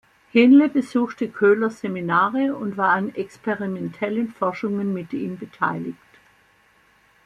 Henle besuchte Köhlers Seminare und war an experimentellen Forschungen mit ihm beteiligt.